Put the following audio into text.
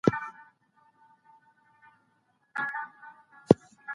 ایا ته کار کوې؟